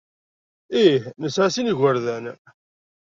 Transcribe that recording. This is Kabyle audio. Ih, nesɛa sin n yigerdan.